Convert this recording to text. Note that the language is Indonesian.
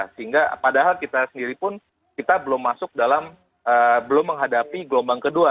sehingga padahal kita sendiri pun kita belum masuk dalam belum menghadapi gelombang kedua